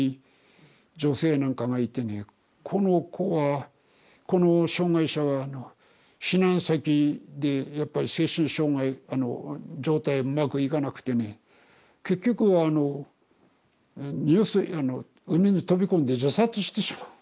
この子はこの障害者は避難先でやっぱり精神障害あの状態うまくいかなくてね結局はあの入水海に飛び込んで自殺してしまう。